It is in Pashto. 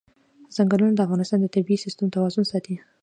ځنګلونه د افغانستان د طبعي سیسټم توازن ساتي.